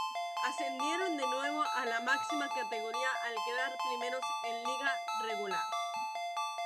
Ascendieron de nuevo a la máxima categoría al quedar primeros en liga regular.